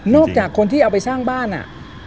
จากคนที่เอาไปสร้างบ้านอ่ะ